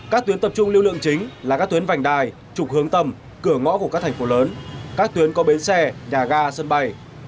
các tuyến tập trung lưu lượng chính là các tuyến vành đài trục hướng tầm cửa ngõ của các thành phố lớn các tuyến có bến xe nhà ga sân bay